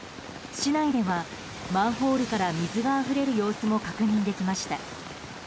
市内ではマンホールから水があふれる様子も確認できました。